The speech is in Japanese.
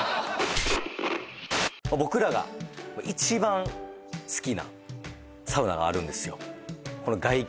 僕らが一番好きなサウナがあるんですよ